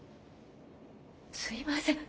すいません。